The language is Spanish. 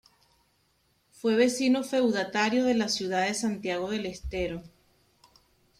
Fue vecino feudatario de la ciudad de Santiago del Estero.